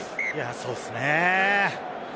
そうですね。